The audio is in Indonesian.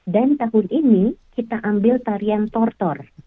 dan tahun ini kita ambil tarian tortor